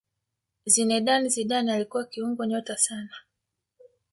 zinedine zidane alikuwa kiungo nyota sana